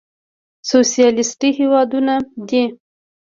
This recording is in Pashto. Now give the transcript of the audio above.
سوسيالېسټي هېوادونه دي.